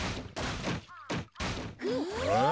うん？